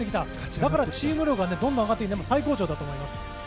だから、チーム力がどんどん上がってきて今、最高潮だと思います。